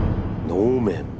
能面